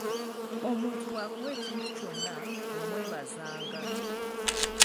Omuntu bw'akuwa ekintu kyonna omwebazanga.